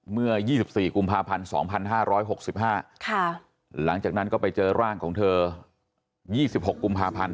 เมื่อ๒๔กุมภาพันธ์๒๕๖๕หลังจากนั้นก็ไปเจอร่างของเธอ๒๖กุมภาพันธ์